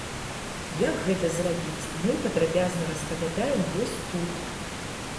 Як гэта зрабіць, мы падрабязна распавядаем вось тут.